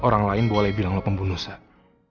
orang lain boleh bilang lo pembunuh sayang